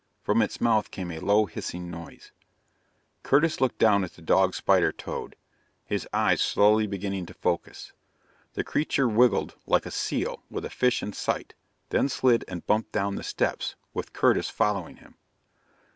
From its mouth came a low hissing noise. [Illustration: Illustrated by WILLER] Curtis looked down at the dog spider toad, his eyes slowly beginning to focus. The creature wiggled like a seal with a fish in sight, then slid and bumped down the steps, with Curtis following him.